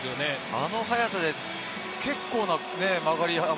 あの速さで結構な曲がり幅。